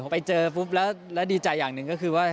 ไปเจอปุ๊บแล้วดีใจอย่างหนึ่งก็คือว่า